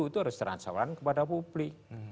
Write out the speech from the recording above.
itu harus terang terang kepada publik